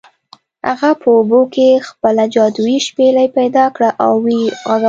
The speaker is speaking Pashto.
هغه په اوبو کې خپله جادويي شپیلۍ پیدا کړه او و یې غږوله.